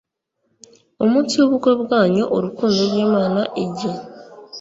umunsi w ubukwe bwanyu Urukundo rw Imana igi